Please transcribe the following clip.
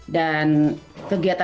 dan kegiatan itu ya